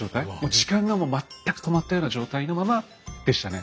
時間がもう全く止まったような状態のままでしたね。